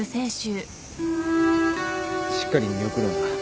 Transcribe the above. しっかり見送ろうな。